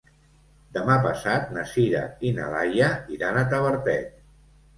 Demà passat na Sira i na Laia iran a Tavertet.